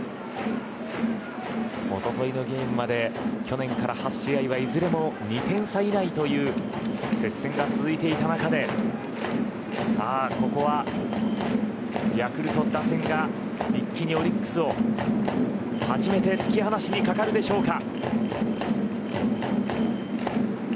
おとといのゲームまで去年から８試合はいずれも２点差以内という接戦が続いていた中でここはヤクルト打線が一気にオリックスを初めて突き離しにかかるでしょうか。